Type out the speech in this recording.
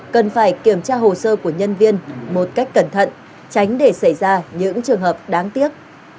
cần phải kiểm tra hồ sơ của nhân viên một cách cẩn thận tránh để xảy ra những trường hợp đáng tiếc